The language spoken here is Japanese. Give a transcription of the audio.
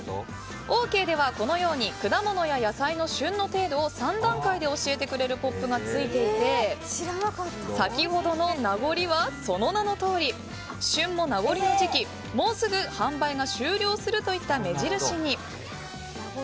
オーケーではこのように果物や野菜の旬の程度を３段階で教えてくれるポップがついていて先ほどの、なごりはその名のとおり旬もなごりの時期もうすぐ販売が終了するといった目印に。